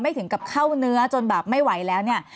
ถึงกับเข้าเนื้อจนแบบไม่ไหวแล้วเนี่ย